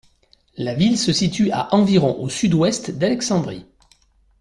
La ville se situe à environ au sud-ouest d'Alexandrie.